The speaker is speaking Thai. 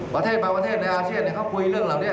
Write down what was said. ประเทศบางประเทศในอาเชียนเขาคุยเรื่องเหล่าเนี่ย